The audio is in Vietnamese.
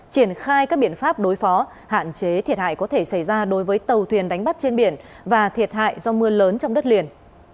triển khai các biện pháp đối phó hạn chế thiệt hại có thể xảy ra đối với tàu thuyền đánh bắt trên biển và thiệt hại do mưa lớn trong đất liền